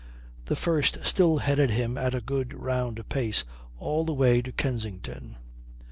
The first still headed him at a good round pace all the way to Kensington.